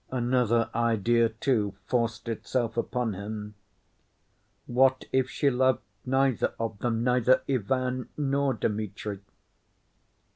Another idea, too, forced itself upon him: "What if she loved neither of them—neither Ivan nor Dmitri?"